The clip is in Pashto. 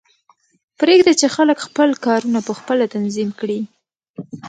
پریږده چې خلک خپل کارونه پخپله تنظیم کړي